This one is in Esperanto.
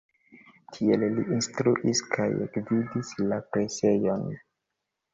Tie li instruis kaj gvidis la presejon.